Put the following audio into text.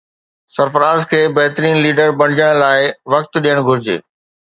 سرفراز کي بهترين ليڊر بڻجڻ لاءِ وقت ڏيڻ گهرجي